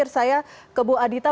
saya ke bu adita